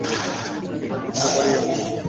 কী না করতে পারি আমি!